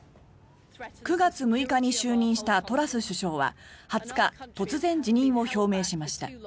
９月６日に就任したトラス首相は２０日突然辞任を表明しました。